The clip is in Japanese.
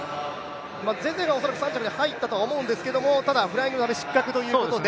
ゼゼが恐らく３着に入ったとは思うんですけれどもただフライングで失格ということで。